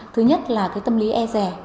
thứ nhất là cái tâm lý e rẻ